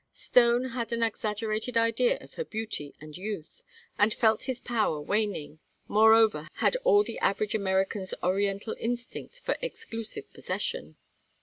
Stone had an exaggerated idea of her beauty and youth, and felt his own power waning, moreover had all the average American's Oriental instinct for exclusive possession.